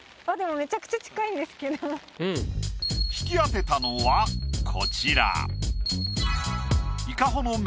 引き当てたのはこちら。